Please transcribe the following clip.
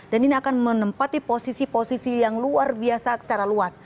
dan ini akan menempati posisi posisi yang luar biasa secara luas